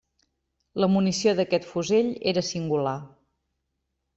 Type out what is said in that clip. La munició d'aquest fusell era singular.